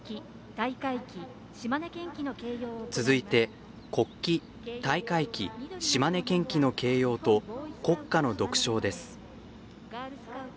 続いて、国旗、大会旗島根県旗の掲揚と国歌の独唱です。